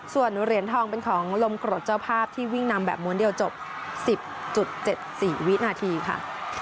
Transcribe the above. ส่วนเหรียญทองเป็นของลมกรดเจ้าภาพที่วิ่งนำแบบม้วนเดียวจบ๑๐๗๔วินาทีค่ะ